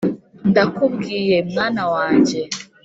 ndakubwiye mwana wanjye